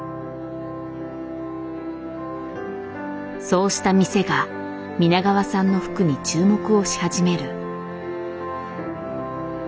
そうした店が皆川さんの服に注目をし始める。